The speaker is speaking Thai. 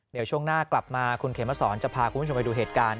เดี๋ยวช่วงหน้ากลับมาคุณเขมสอนจะพาคุณผู้ชมไปดูเหตุการณ์